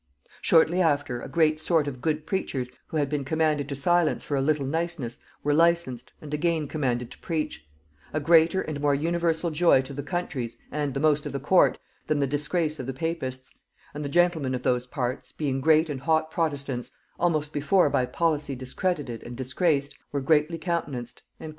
"Shortly after, a great sort of good preachers, who had been commanded to silence for a little niceness, were licensed, and again commanded to preach; a greater and more universal joy to the counties, and the most of the court, than the disgrace of the papists; and the gentlemen of those parts, being great and hot protestants (almost before by policy discredited and disgraced), were greatly countenanced."